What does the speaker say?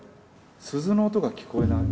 鈴の音が聞こえない。